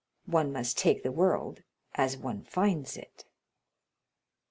One must take the world as one finds it.